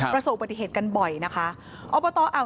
ประสบปฏิเหตุกันบ่อยนะคะ